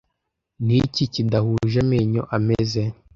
Niki kidahuje amenyo ameze